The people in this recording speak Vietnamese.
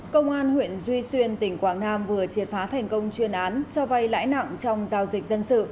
công an huyện duy xuyên tỉnh quảng nam vừa triệt phá thành công chuyên án cho vay lãi nặng trong giao dịch dân sự